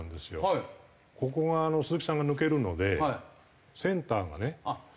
ここが鈴木さんが抜けるのでセンターがね。